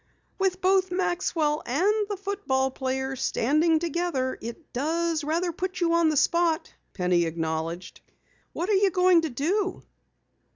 "With both Maxwell and the football player standing together, it does rather put you on the spot," Penny acknowledged. "What are you going to do?"